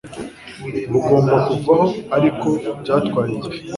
bugomba kuvaho. ariko byatwaye igihe